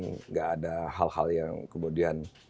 nggak ada hal hal yang kemudian